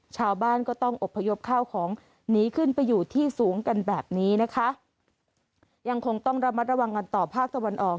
ชาวบ้านก็ต้องอบพยพข้าวของหนีขึ้นไปอยู่ที่สูงกันแบบนี้นะคะยังคงต้องระมัดระวังกันต่อภาคตะวันออก